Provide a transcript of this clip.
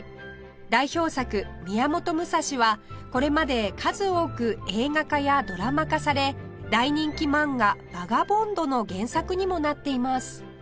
代表作『宮本武蔵』はこれまで数多く映画化やドラマ化され大人気漫画『バガボンド』の原作にもなっています